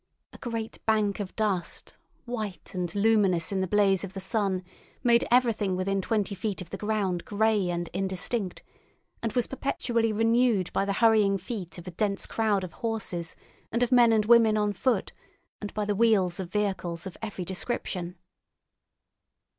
A great bank of dust, white and luminous in the blaze of the sun, made everything within twenty feet of the ground grey and indistinct and was perpetually renewed by the hurrying feet of a dense crowd of horses and of men and women on foot, and by the wheels of vehicles of every description.